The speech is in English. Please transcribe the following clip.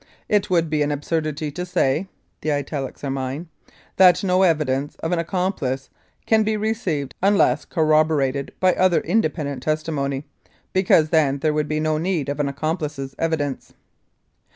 It would be an absurdity to say [the italics are mine] that no evidence of an accomplice can be received unless corroborated by other independent testimony, because then there would be no need of an accomplice's evidence."